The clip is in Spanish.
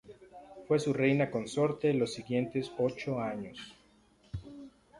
Fue su reina consorte los siguientes ocho años.